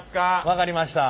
分かりました。